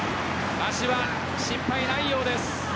足は心配ないようです。